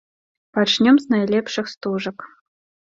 Пачнём з найлепшых стужак.